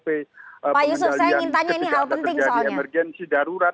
pak yusuf saya ingin tanya ini hal penting soalnya